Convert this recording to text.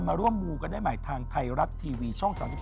ร่วมมูกันได้ใหม่ทางไทยรัฐทีวีช่อง๓๒